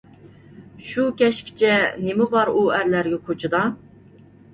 شۇ كەچكىچە نېمە بار ئۇ ئەرلەرگە كوچىدا؟